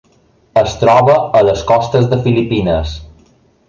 Es troba a les costes de Filipines.